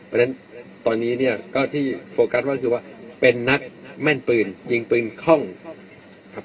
เพราะฉะนั้นตอนนี้เนี่ยก็ที่โฟกัสก็คือว่าเป็นนักแม่นปืนยิงปืนคล่องครับ